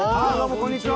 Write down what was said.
こんにちは。